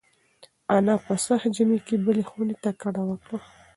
انا په سخت ژمي کې بلې خونې ته کډه وکړه.